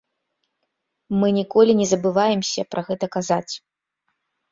Мы ніколі не забываемся пра гэта казаць.